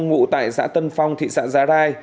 ngụ tại xã tân phong thị xã giá đai